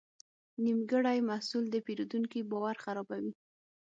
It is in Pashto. نیمګړی محصول د پیرودونکي باور خرابوي.